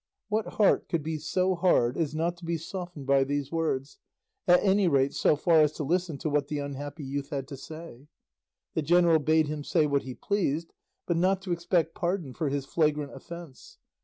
What heart could be so hard as not to be softened by these words, at any rate so far as to listen to what the unhappy youth had to say? The general bade him say what he pleased, but not to expect pardon for his flagrant offence.